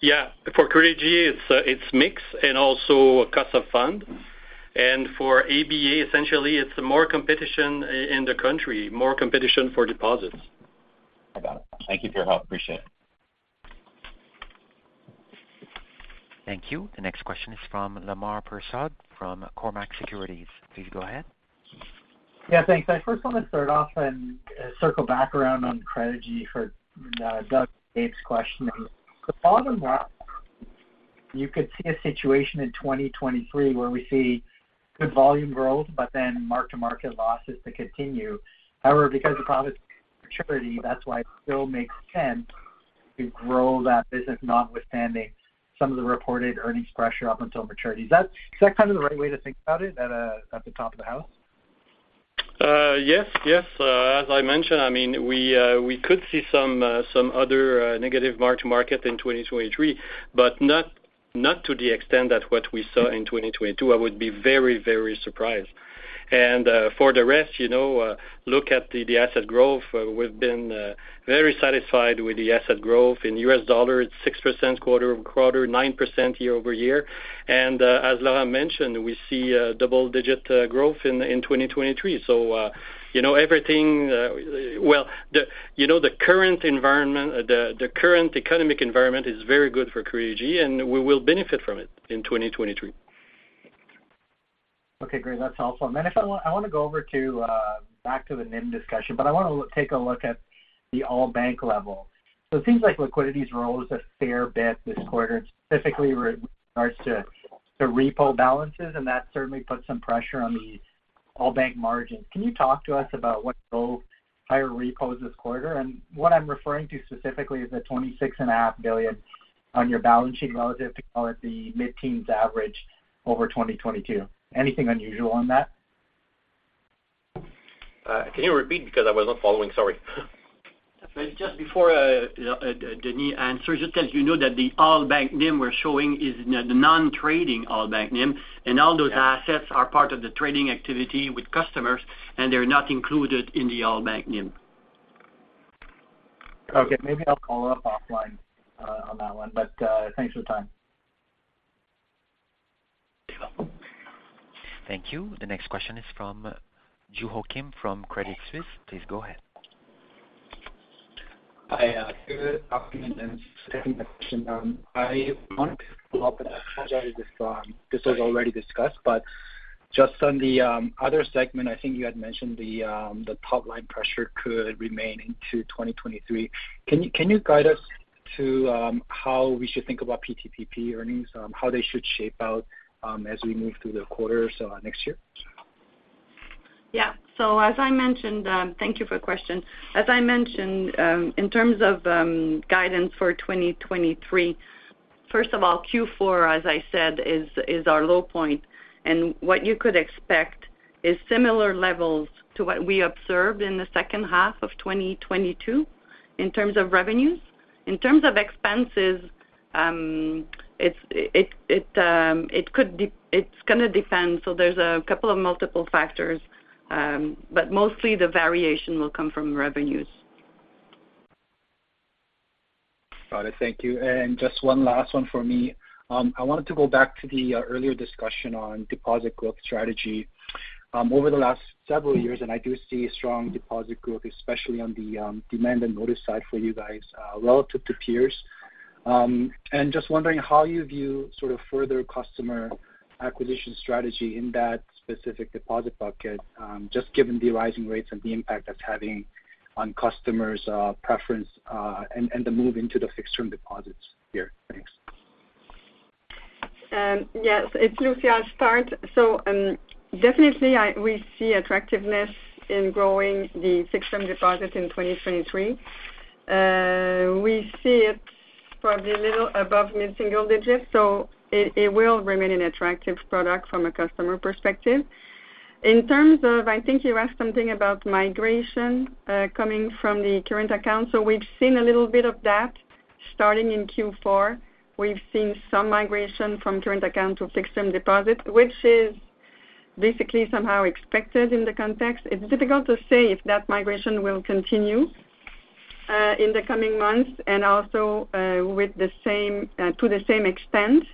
Yeah. For Credigy it's mix and also cost of fund. For ABA, essentially it's more competition in the country, more competition for deposits. I got it. Thank you for your help. Appreciate it. Thank you. The next question is from Lemar Persaud from Cormark Securities. Please go ahead. Yeah, thanks. I first wanna start off and circle back around on Credigy for Doug Young's question. The problem that you could see a situation in 2023 where we see good volume growth, but then mark-to-market losses to continue. Because of profit maturity, that's why it still makes sense to grow that business notwithstanding some of the reported earnings pressure up until maturity. Is that kind of the right way to think about it at the top of the house? Yes, yes. As I mentioned, I mean, we could see some other negative mark-to-market in 2023, but not to the extent that what we saw in 2022. I would be very, very surprised. For the rest, you know, look at the asset growth. We've been very satisfied with the asset growth. In U.S. dollar, it's 6% quarter-over-quarter, 9% year-over-year. As Laurent mentioned, we see double-digit growth in 2023. You know, everything. Well, you know, the current environment, the current economic environment is very good for Credigy, and we will benefit from it in 2023. Okay, great. That's helpful. I wanna go over to back to the NIM discussion, but I wanna take a look at the all-bank level. It seems like liquidity's rose a fair bit this quarter, specifically regards to repo balances, and that certainly puts some pressure on the all-bank margins. Can you talk to us about what drove higher repos this quarter? What I'm referring to specifically is the 26.5 billion on your balance sheet relative to call it the mid-teens average over 2022. Anything unusual on that? Can you repeat because I was not following, sorry. Just before Denis answers, just so as you know that the all-bank NIM we're showing is the non-trading all-bank NIM, and all those assets are part of the trading activity with customers, and they're not included in the all-bank NIM. Okay, maybe I'll follow up offline on that one. Thanks for the time. You're welcome. Thank you. The next question is from Joo Ho Kim from Credit Suisse. Please go ahead. Hi, good afternoon and thank you for the question. I want to follow up on this was already discussed, but just on the other segment, I think you had mentioned the top-line pressure could remain into 2023. Can you guide us to how we should think about PTPP earnings, how they should shape out as we move through the quarters next year? Thank you for your question. As I mentioned, in terms of guidance for 2023, first of all, Q4, as I said, is our low point, what you could expect is similar levels to what we observed in the second half of 2022 in terms of revenues. In terms of expenses, it's gonna depend, there's a couple of multiple factors, mostly the variation will come from revenues. Got it. Thank you. Just one last one for me. I wanted to go back to the earlier discussion on deposit growth strategy. Over the last several years, I do see strong deposit growth, especially on the demand and notice side for you guys, relative to peers. Just wondering how you view sort of further customer acquisition strategy in that specific deposit bucket, just given the rising rates and the impact that's having on customers' preference, and the move into the fixed-term deposits here. Thanks. Yes. It's Lucie. I'll start. Definitely we see attractiveness in growing the fixed-term deposit in 2023. We see it probably a little above mid-single digits, so it will remain an attractive product from a customer perspective. In terms of, I think you asked something about migration, coming from the current account. We've seen a little bit of that starting in Q4. We've seen some migration from current account to fixed-term deposit, which is basically somehow expected in the context. It's difficult to say if that migration will continue in the coming months and also with the same to the same extent.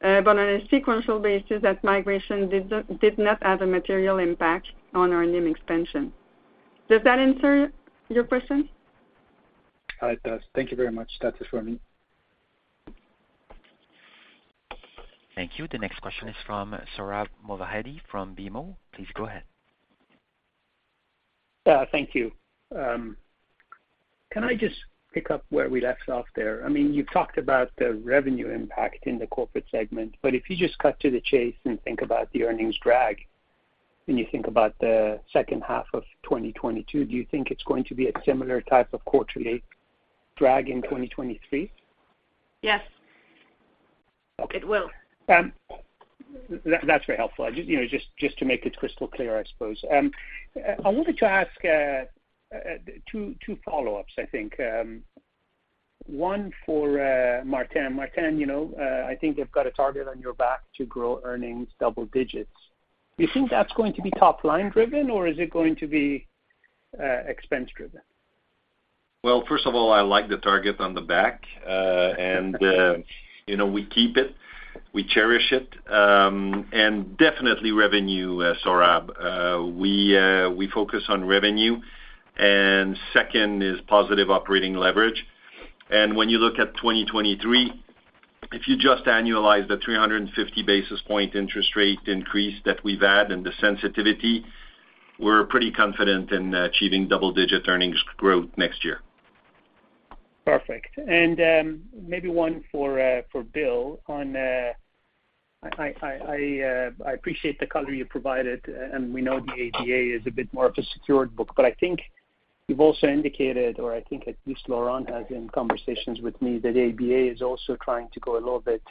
But on a sequential basis, that migration did not have a material impact on our NIM expansion. Does that answer your question? It does. Thank you very much. That's it from me. Thank you. The next question is from Sohrab Movahedi from BMO. Please go ahead. Yeah. Thank you. Can I just pick up where we left off there? I mean, you talked about the revenue impact in the corporate segment, but if you just cut to the chase and think about the earnings drag, when you think about the second half of 2022, do you think it's going to be a similar type of quarterly drag in 2023? Yes. Okay. It will. That's very helpful. You know, just to make it crystal clear, I suppose. I wanted to ask two follow-ups, I think. One for Martin. Martin, you know, I think you've got a target on your back to grow earnings double digits. Do you think that's going to be top-line driven, or is it going to be expense driven? Well, first of all, I like the target on the back. You know, we keep it We cherish it, and definitely revenue, Sohrab. We focus on revenue, and second is positive operating leverage. When you look at 2023, if you just annualize the 350 basis point interest rate increase that we've had and the sensitivity, we're pretty confident in achieving double-digit earnings growth next year. Perfect. Maybe one for Bill on, I appreciate the color you provided, and we know the ABA Bank is a bit more of a secured book. I think you've also indicated, or I think at least Laurent has in conversations with me, that ABA Bank is also trying to go a little bit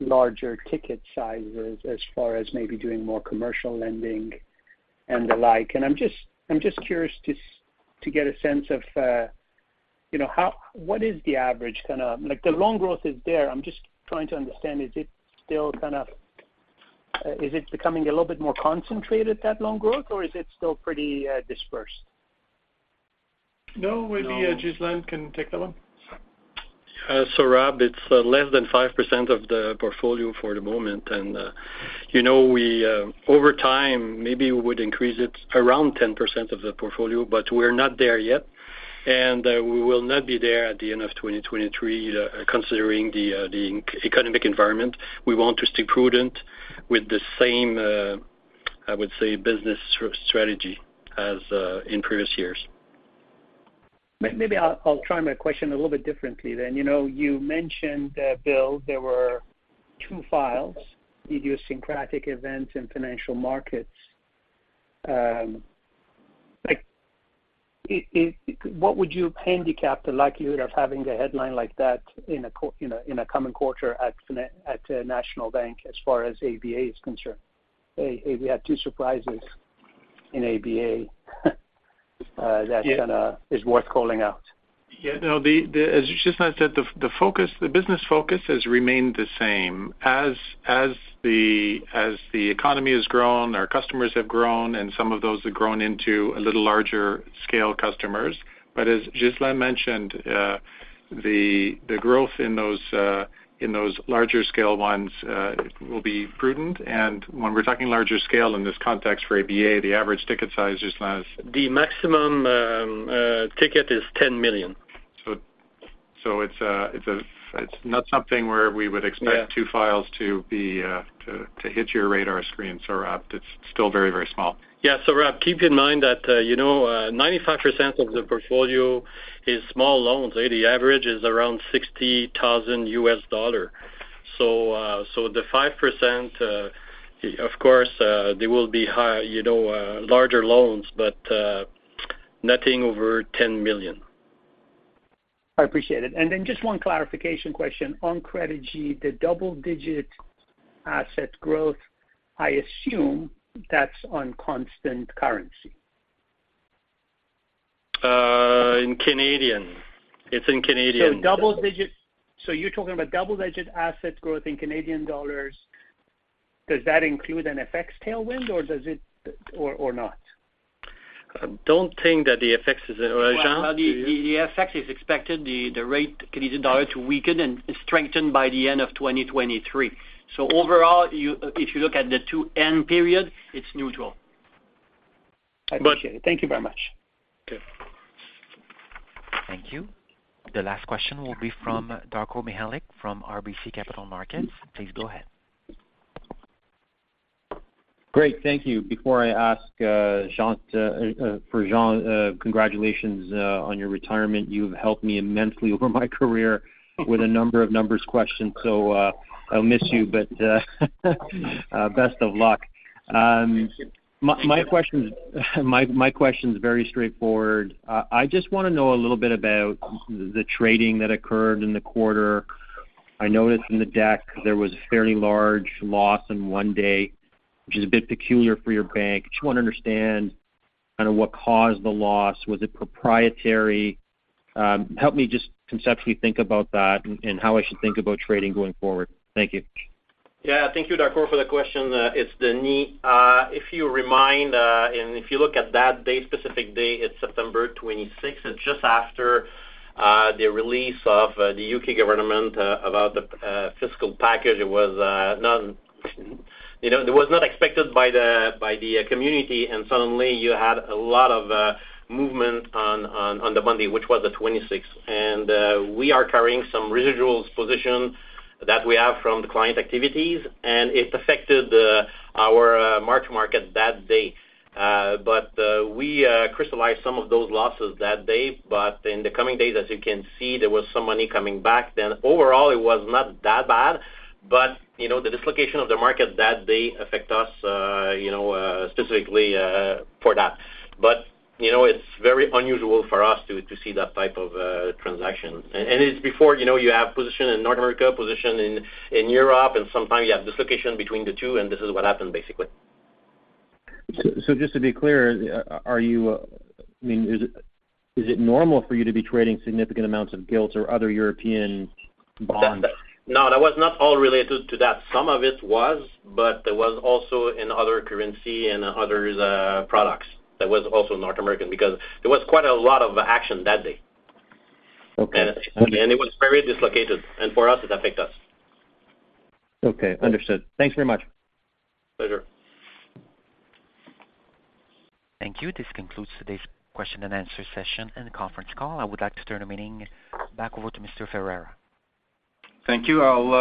larger ticket sizes as far as maybe doing more commercial lending and the like. I'm just curious just to get a sense of, you know, what is the average kinda. Like, the loan growth is there. I'm just trying to understand, is it becoming a little bit more concentrated, that loan growth, or is it still pretty dispersed? No. Maybe Ghislain can take that one. Sohrab, it's less than 5% of the portfolio for the moment. You know, we over time, maybe we would increase it around 10% of the portfolio, but we're not there yet. We will not be there at the end of 2023, considering the economic environment. We want to stay prudent with the same, I would say, business strategy as in previous years. Maybe I'll try my question a little bit differently then. You know, you mentioned Bill, there were two files, idiosyncratic events and Financial Markets. Like, what would you handicap the likelihood of having a headline like that in a coming quarter at National Bank as far as ABA is concerned? Hey, we had two surprises in ABA that's kinda is worth calling out. Yeah. No. The, as Ghislain said, the focus, the business focus has remained the same. As the economy has grown, our customers have grown, and some of those have grown into a little larger scale customers. As Ghislain mentioned, the growth in those in those larger scale ones will be prudent. When we're talking larger scale in this context for ABA, the average ticket size, Ghislain is- The maximum ticket is 10 million. It's not something where we would expect. Yeah. -2 files to be, to hit your radar screen, Sohrab. It's still very, very small. Yeah. Sohrab, keep in mind that, you know, 95% of the portfolio is small loans. The average is around $60,000. The 5%, of course, they will be high, you know, larger loans, nothing over $10 million. I appreciate it. Just one clarification question. On Credigy, the double-digit asset growth, I assume that's on constant currency? In Canadian. It's in Canadian. You're talking about double-digit asset growth in Canadian dollars. Does that include an FX tailwind, or does it, or not? I don't think that the FX. Well, the FX is expected, the rate Canadian dollar to weaken and strengthen by the end of 2023. Overall, if you look at the two end period, it's neutral. I appreciate it. Thank you very much. Okay. Thank you. The last question will be from Darko Mihelic from RBC Capital Markets. Please go ahead. Great. Thank you. For Jean, congratulations on your retirement. You've helped me immensely over my career with a number of numbers questions, so, I'll miss you. Best of luck. My question's very straightforward. I just wanna know a little bit about the trading that occurred in the quarter. I noticed in the deck there was a fairly large loss in one day, which is a bit peculiar for your bank. Just wanna understand kinda what caused the loss. Was it proprietary? Help me just conceptually think about that and how I should think about trading going forward. Thank you. Yeah. Thank you, Darko, for the question. It's Denis. If you remind, and if you look at that day, specific day, it's September 26th. It's just after the release of the U.K. government about the fiscal package. You know, it was not expected by the community, suddenly you had a lot of movement on the Monday, which was the 26th. We are carrying some residuals position that we have from the client activities, and it affected our mark-to-market that day. We crystallized some of those losses that day. In the coming days, as you can see, there was some money coming back then. Overall, it was not that bad. You know, the dislocation of the market that day affect us, you know, specifically for that. You know, it's very unusual for us to see that type of transaction. It's before, you know, you have position in North America, position in Europe, and sometimes you have dislocation between the two, and this is what happened, basically. Just to be clear, I mean, is it normal for you to be trading significant amounts of gilts or other European bonds? No, that was not all related to that. Some of it was, but there was also in other currency and other products. That was also North American because there was quite a lot of action that day. Okay. It was very dislocated. For us, it affect us. Okay. Understood. Thanks very much. Pleasure. Thank you. This concludes today's question and answer session and the conference call. I would like to turn the meeting back over to Mr. Ferreira. Thank you. I'll,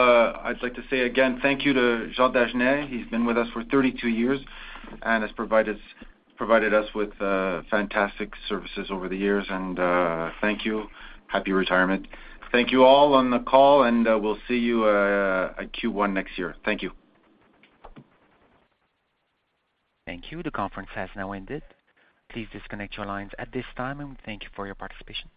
I'd like to say again thank you to Jean Dagenais. He's been with us for 32 years and has provided us with fantastic services over the years. Thank you. Happy retirement. Thank you all on the call, we'll see you at Q1 next year. Thank you. Thank you. The conference has now ended. Please disconnect your lines at this time, and thank you for your participation.